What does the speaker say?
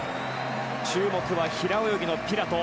注目は平泳ぎのピラト。